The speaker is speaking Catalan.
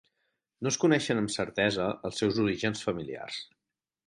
No es coneixen amb certesa els seus orígens familiars.